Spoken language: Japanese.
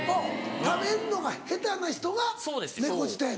食べるのが下手な人が猫舌やねんて。